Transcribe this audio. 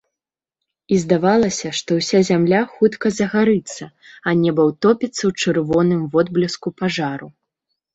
І здавалася, што ўся зямля хутка загарыцца, а неба ўтопіцца ў чырвоным водбліску пажару.